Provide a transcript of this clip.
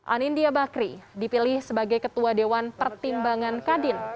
anindya bakri dipilih sebagai ketua dewan pertimbangan kadin